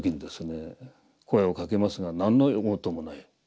声をかけますが何の応答もない。